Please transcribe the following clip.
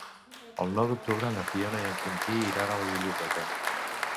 El nou d'octubre na Fiona i en Quintí iran a la biblioteca.